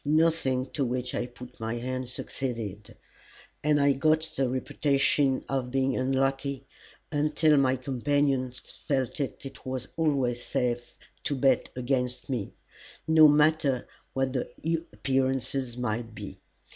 Nothing to which I put my hand succeeded, and I got the reputation of being unlucky, until my companions felt it was always safe to bet against me, no matter what the appearances might be.